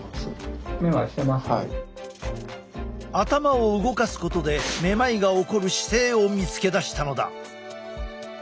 頭を動かすことでめまいが起こる姿勢を見つけ出したのだ。